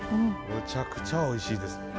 むちゃくちゃおいしいです。